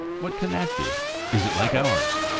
What can that be? Is it like ours?